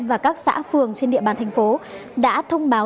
và các xã phường trên địa bàn thành phố đã thông báo